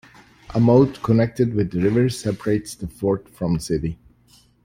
A moat connected with the river separates the fort from the city.